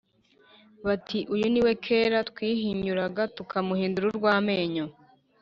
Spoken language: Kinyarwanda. bati «Uyu ni we kera twahinyuraga tukamuhindura urw’amenyo!